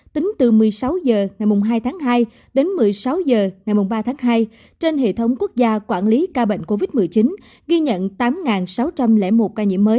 tính từ một mươi sáu giờ ngày mùng hai tháng hai đến một mươi sáu giờ ngày mùng ba tháng hai trên hệ thống quốc gia quản lý ca bệnh covid một mươi chín ghi nhận tám sáu trăm linh ca